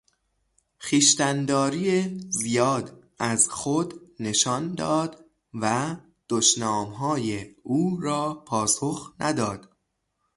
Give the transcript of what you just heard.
خویشتنداری زیاد از خود نشان داد و دشنامهای او را پاسخ نداد.